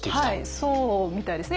そうみたいですね。